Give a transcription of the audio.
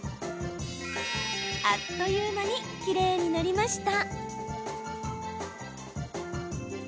あっという間にきれいになりました。